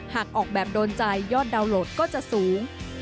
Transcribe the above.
หากออกแบบโดนใจยอดดาวน์โหลดก็จะสูง